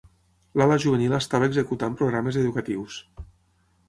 L'ala juvenil estava executant programes educatius.